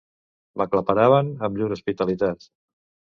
M'aclaparaven amb llur hospitalitat.